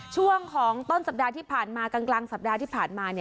ช่วงของต้นสัปดาห์ที่ผ่านมากลางสัปดาห์ที่ผ่านมา